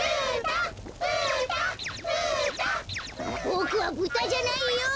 ボクはブタじゃないよ！